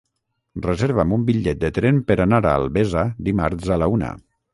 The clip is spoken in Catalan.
Reserva'm un bitllet de tren per anar a Albesa dimarts a la una.